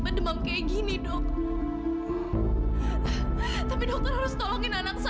serang amat hampir ya follow kenang kenang ya